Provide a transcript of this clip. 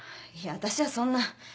私はそんな。